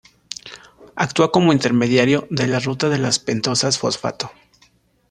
Actúa como intermediario de la ruta de las pentosas fosfato.